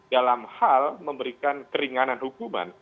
dalam hal memberikan keringanan hukuman